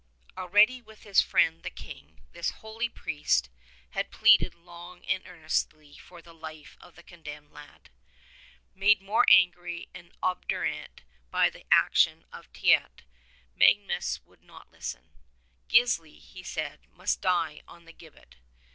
Already with his friend the King this holy priest had pleaded long and earnestly for the life of the condemned lad. Made more angry and obdurate by the action of Teit, Mag nus would not listen. Gisli, he said, must die on the gibbet.